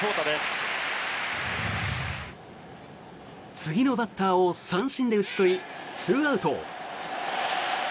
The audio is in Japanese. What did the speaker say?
次のバッターを三振で打ち取り２アウト。